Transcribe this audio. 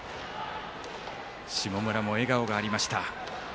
下村も笑顔がありました。